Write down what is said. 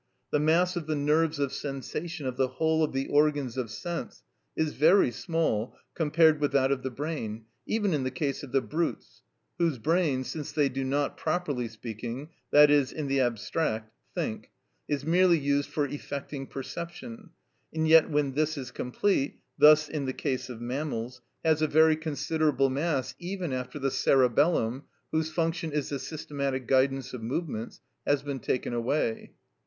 The mass of the nerves of sensation of the whole of the organs of sense is very small compared with that of the brain, even in the case of the brutes, whose brain, since they do not, properly speaking, i.e., in the abstract, think, is merely used for effecting perception, and yet when this is complete, thus in the case of mammals, has a very considerable mass, even after the cerebellum, whose function is the systematic guidance of movements, has been taken away.